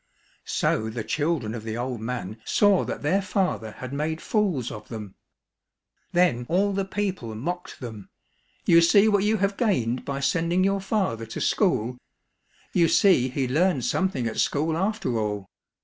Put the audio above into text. So the children of the old man saw that their father had made fools of them. Then all the people mocked them :" You see what you have gained by sending your father to school ! You see he learned something at school after all